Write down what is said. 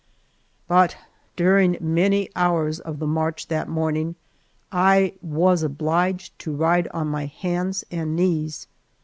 But during many hours of the march that morning I was obliged to ride on my hands and knees!